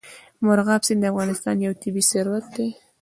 مورغاب سیند د افغانستان یو طبعي ثروت دی.